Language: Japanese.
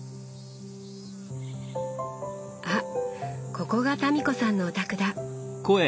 あここが民子さんのお宅だ。